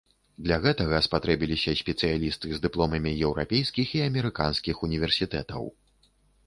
Для гэтага спатрэбіліся спецыялісты з дыпломамі еўрапейскіх і амерыканскіх універсітэтаў.